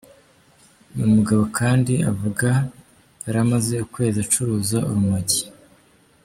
Uyu mugabo kandi avuga yari amaze ukwezi acuruza urumogi.